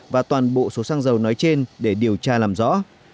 và toàn bộ số xăng dầu nói trên để điều tra làm rõ